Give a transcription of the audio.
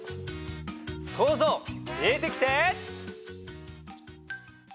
そうぞうでてきて！